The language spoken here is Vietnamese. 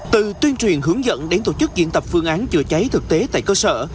từ tuyên truyền hướng dẫn đến tổ chức diễn tập phương án chữa cháy thực tế tại cơ sở